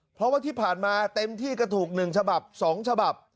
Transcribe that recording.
เพราะว่าที่ผ่านมาเต็มที่ก็ถูก๑ฉบับ๒ฉบับ